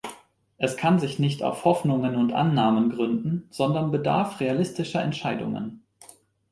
Es kann sich nicht auf Hoffnungen und Annahmen gründen, sondern bedarf realistischer Entscheidungen.